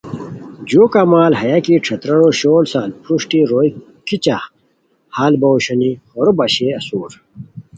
جُوؤ کمال ہیہ کی ݯھترارہ شور سال پروشٹی روئے کیچہ ہال باؤ اوشونی ہورو پاشئے اسور